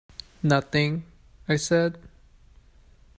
"Nothing," I said.